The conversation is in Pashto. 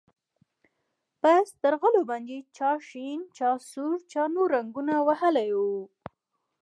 په سترغلو باندې چا شين چا سور چا نور رنګونه وهلي وو.